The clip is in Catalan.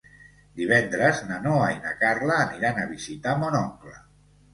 Divendres na Noa i na Carla aniran a visitar mon oncle.